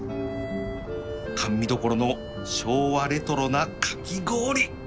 甘味所の昭和レトロなかき氷